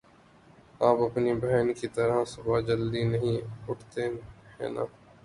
آپ اپنی بہن کی طرح صبح جلدی نہیں اٹھتے، ہے نا؟